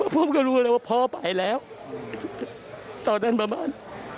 ผมก็รู้เลยว่าพ่อไปแล้วตอนนั้นประมาณ